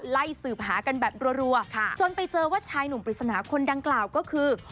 ไล่สืบหากันแบบรัวจนไปเจอว่าชายหนุ่มปริศนาคนดังกล่าวก็คือ